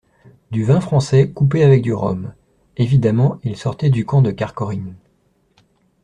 Du vin français, coupé avec du rhum. Évidemment, il sortait du camp de Kharkhorin…